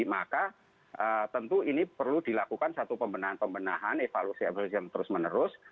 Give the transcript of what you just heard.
maka tentu ini perlu dilakukan satu pembenahan pembenahan evaluasi evaluasi yang terus menerus